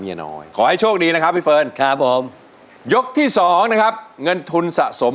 เพลงพร้อมร้องได้ให้ล้านยกที่สองเพลงมาครับ